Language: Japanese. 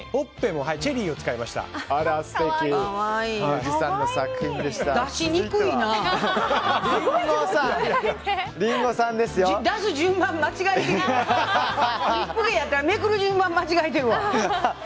めくりやったらめくる順番間違えてるわ。